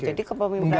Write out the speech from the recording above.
jadi kemungkinan gandoli